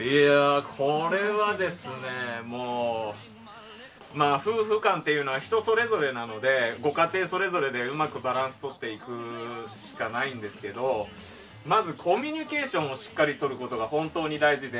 これは夫婦間というのは人それぞれなのでご家庭それぞれでうまくバランスをとっていくしかないんですけどまずコミュニケーションをしっかりとることが本当に大事で。